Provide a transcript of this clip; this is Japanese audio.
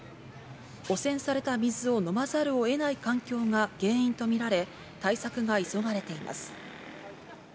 汚染された水を飲まざるを得ない環境が原因とみられ、対策が急がれています。